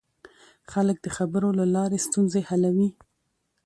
خلک د خبرو له لارې ستونزې حلوي